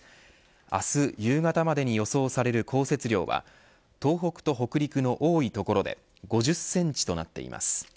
明日、夕方までに予想される降雪量は東北と北陸の多い所で５０センチとなっています。